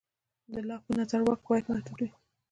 د لاک په نظر واک باید محدود وي.